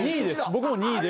僕も２位で。